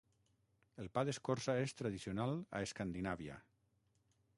El pa d'escorça és tradicional a Escandinàvia.